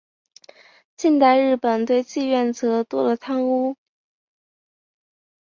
近代日本对妓院则多了汤屋。